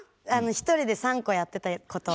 １人で３個やってたこと。